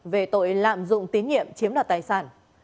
về tội lạm dụng tín nhiệm chiếm đoạt tài sản